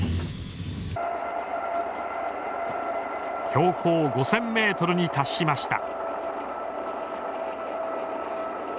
標高５，０００ｍに達しました。